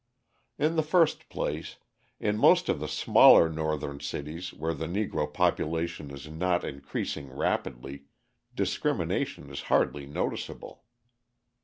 In the first place, in most of the smaller Northern cities where the Negro population is not increasing rapidly, discrimination is hardly noticeable.